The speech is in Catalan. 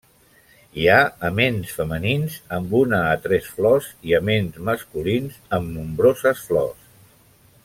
Hi ha aments femenins amb una a tres flors i aments masculins amb nombroses flors.